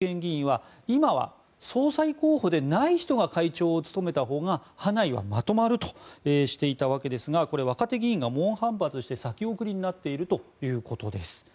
毎日新聞によりますと安倍派の中堅議員は今は総裁候補でない人が会長を務めたほうが派内はまとまるとしていたわけですがこれは若手議員が猛反発して先送りになっているということです。